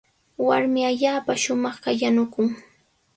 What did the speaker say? Warmi allaapa shumaqlla yanukun.